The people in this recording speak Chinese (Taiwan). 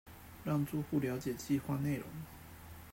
讓住戶瞭解計畫內容